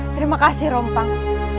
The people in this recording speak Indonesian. terima kasih rompang